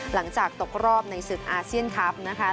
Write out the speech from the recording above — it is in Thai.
หลังจากตกรอบในศึกอาเซียนคลับนะคะ